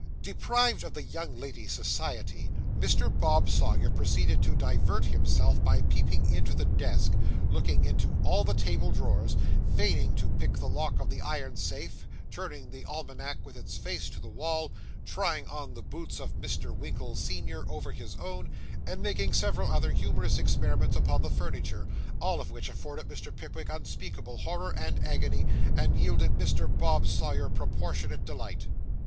Deprived of the young lady's society, Mr. Bob Sawyer proceeded to divert himself by peeping into the desk, looking into all the table drawers, feigning to pick the lock of the iron safe, turning the almanac with its face to the wall, trying on the boots of Mr. Winkle, senior, over his own, and making several other humorous experiments upon the furniture, all of which afforded Mr. Pickwick unspeakable horror and agony, and yielded Mr. Bob Sawyer proportionate delight.